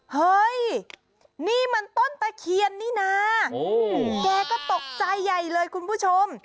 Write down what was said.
เฮ้ยนี่มันต้นตะเคียนนี่นะแกก็ตกใจใหญ่เลยคุณผู้ชม